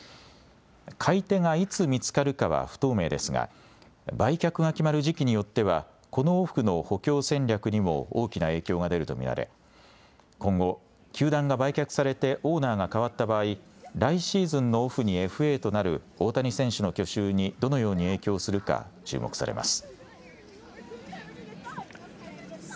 買い手がいつ見つかるかは不透明ですが、売却が決まる時期によっては、このオフの補強戦略にも大きな影響が出ると見られ、今後、球団が売却されてオーナーが代わった場合、来シーズンのオフにＦＡとなる大谷選手の去就にどのように影響するか、注目されます。